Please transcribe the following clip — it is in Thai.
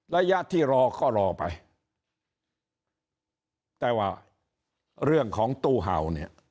ระยะที่รอก็รอไปแต่ว่าเรื่องของตู้เห่าเนี่ย